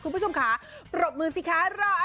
คุณผู้ชมค่ะปรบมือสิค่ะรออะไร